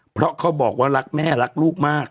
เพราะเขาบอกว่ารักแม่รักลูกมาก